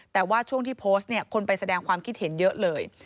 แต่ว่าช่วงที่โพสต์เนี่ยคนไปแสดงความคิดเห็นเยอะเลย